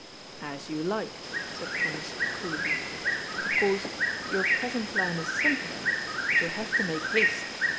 " As you like," said Thomas coolly. " Of course, your present plan is simpler, but you will have to make haste.